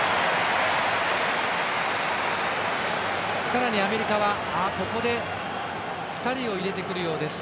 さらにアメリカはここで２人を入れます。